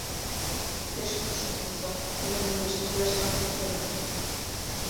Пеш кӱкшӧ кугыза, тудым индешлу ияшлан шотленыт.